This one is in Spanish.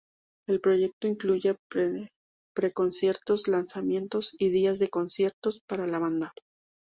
El proyecto incluye pre-conciertos, lanzamientos y días de conciertos para la banda.